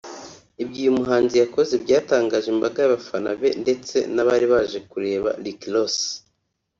Ibyo uyu muhanzi yakoze byatangaje imbaga y’abafana be ndetse n’abari baje kureba Rick Ross